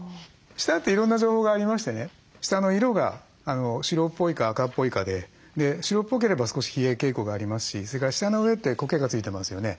舌っていろんな情報がありましてね舌の色が白っぽいか赤っぽいかで白っぽければ少し冷え傾向がありますしそれから舌の上ってコケがついてますよね。